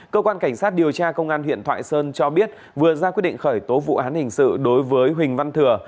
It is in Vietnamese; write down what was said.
cơ quan cảnh sát điều tra công an huyện thoại sơn cho biết vừa ra quyết định khởi tố vụ án hình sự đối với huỳnh văn thừa